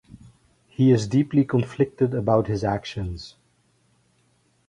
He is deeply conflicted about his actions.